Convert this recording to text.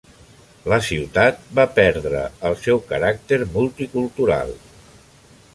La ciutat va perdre el seu caràcter multicultural.